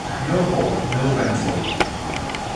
No hole, no landform.